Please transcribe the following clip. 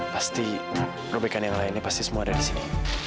pasti robekan yang lainnya pasti semua ada di sini